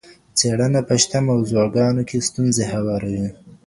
څېړنه په شته موضوعګانو کي ستونزي هواروي.